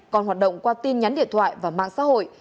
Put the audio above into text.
còn hoạt động qua tin nhắn điện thoại và mạng xã hội